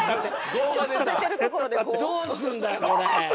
ちょっと出てるところで５？どうするんだよこれ。